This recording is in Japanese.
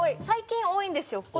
最近多いんですよ。